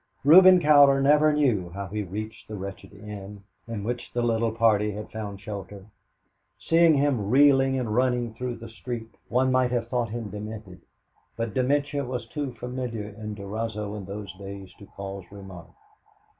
Reuben Cowder never knew how he reached the wretched inn in which the little party had found shelter. Seeing him reeling and running through the street, one might have thought him demented, but dementia was too familiar in Durazzo in those days to cause remark.